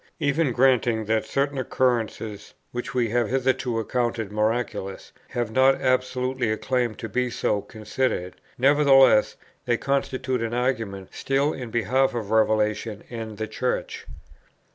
Even granting that certain occurrences, which we have hitherto accounted miraculous, have not absolutely a claim to be so considered, nevertheless they constitute an argument still in behalf of Revelation and the Church.